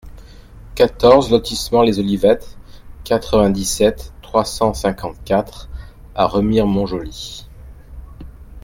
quatorze lotissement Les Olivettes, quatre-vingt-dix-sept, trois cent cinquante-quatre à Remire-Montjoly